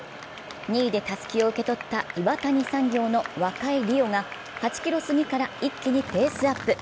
２位でたすきを受け取った岩谷産業の若井莉央が８ｋｍ過ぎから一気にペースアップ。